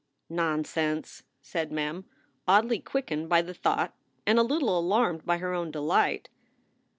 "Nonsense!" said Mem, oddly quickened by the thought and a little alarmed by her own delight.